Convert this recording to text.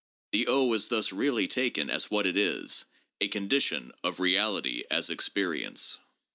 The is thus really taken as what it is— a condition of reality as experience.